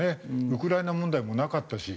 ウクライナ問題もなかったし。